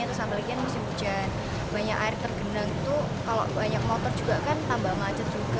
terus apalagi musim hujan banyak air tergenang itu kalau banyak motor juga kan tambah macet juga